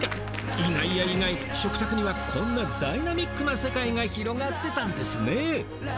意外や意外食卓にはこんなダイナミックな世界が広がってたんですね！